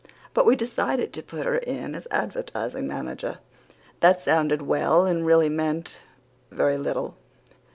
But we decided to put her in as advertising manager. That sounded well and really meant very little.